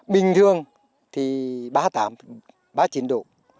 bình thường thì ba mươi tám ba mươi chín độ